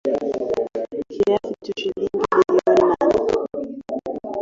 Kiasi cha shilingi bilioni nane.